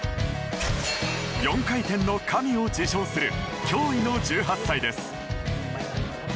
４回転の神を自称する驚異の１８歳です。